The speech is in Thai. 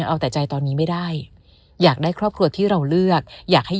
นานเข้า